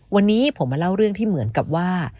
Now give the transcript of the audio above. วันนี้ผมมาเล่าเรื่องที่เหมือนกับว่า